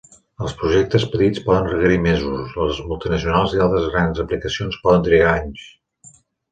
Els projectes petits poden requerir mesos; les multinacionals i altres grans aplicacions poden trigar anys.